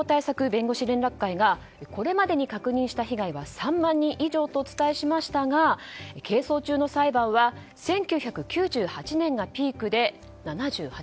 弁護士連絡会がこれまでに確認した被害は３万人以上とお伝えしましたが係争中の裁判は１９９８年がピークで７８件。